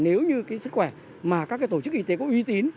nếu như cái sức khỏe mà các cái tổ chức y tế có uy tín